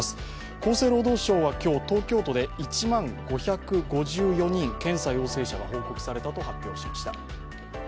厚生労働省は今日東京都で１万５５４人、検査陽性者が報告されたと発表しました。